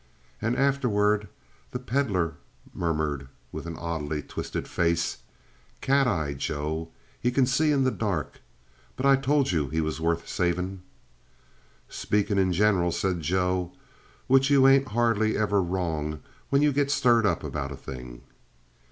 And afterward the Pedlar murmured with an oddly twisted face: "Cat eye, Joe. He can see in the dark! But I told you he was worth savin'." "Speakin' in general," said Joe, "which you ain't hardly ever wrong when you get stirred up about a thing."